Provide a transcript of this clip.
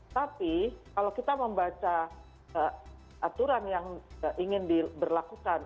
tapi kalau kita membaca aturan yang ingin diberlakukan